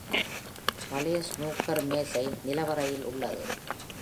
பழைய ஸ்னூக்கர் மேஜை நிலவறையில் உள்ளது.